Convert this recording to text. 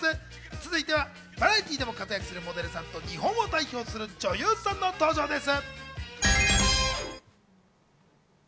続いては、バラエティーでも活躍するモデルさんと日本を代表する女優さんの登場です。